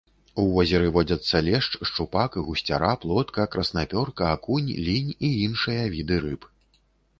У возеры водзяцца лешч, шчупак, гусцяра, плотка, краснапёрка, акунь, лінь і іншыя віды рыб.